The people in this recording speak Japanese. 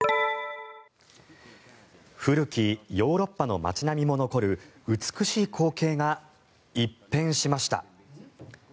古きヨーロッパの街並みも残る美しい光景が一変しました。